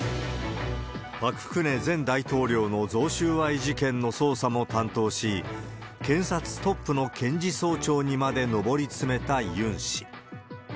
パク・クネ前大統領の贈収賄事件の捜査も担当し、検察トップの検事総長にまで上り詰めたユン氏。